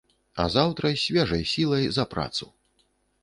А заўтра з свежай сілай за працу.